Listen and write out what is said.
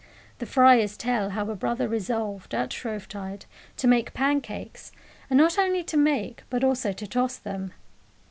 The friars tell how a brother resolved, at Shrovetide, to make pancakes, and not only to make, but also to toss them.